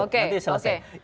saya selesaikan dulu